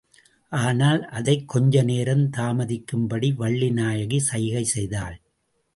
ஆனால், அதைக் கொஞ்ச நேரம் தாமதிக்கும்படி வள்ளிநாயகி சைகை செய்தாள்.